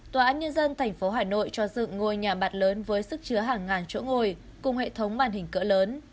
tòa án nhân dân thành phố hà nội cho dựng ngôi nhà mặt lớn với sức chứa hàng ngàn chỗ ngồi cùng hệ thống màn hình cỡ lớn